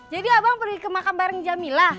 jadi abang pergi ke makam bareng jamilah